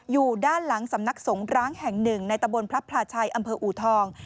อยู่ด้านหลังสำนักสงร้างแห่งหนึ่งในตะบนพระพลาชัยอำเภออูทอง